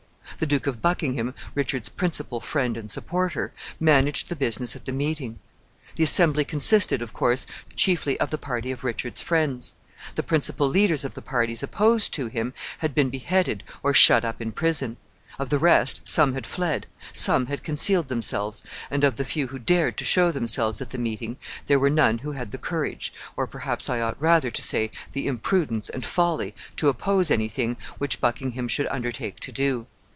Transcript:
The Duke of Buckingham, Richard's principal friend and supporter, managed the business at the meeting. The assembly consisted, of course, chiefly of the party of Richard's friends. The principal leaders of the parties opposed to him had been beheaded or shut up in prison; of the rest, some had fled, some had concealed themselves, and of the few who dared to show themselves at the meeting, there were none who had the courage, or perhaps I ought rather to say the imprudence and folly, to oppose any thing which Buckingham should undertake to do.